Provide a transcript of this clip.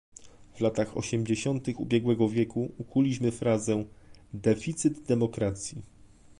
W latach osiemdziesiątych ubiegłego wieku ukuliśmy frazę "deficyt demokracji"